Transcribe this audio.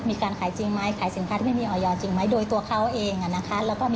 เป็นการโฆษณาสรรพคุณที่โอ้กอวดที่เกินความเป็นอาหารแล้วครับ